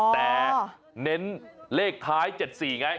แต่เน้นเลขท้าย๗๔ไง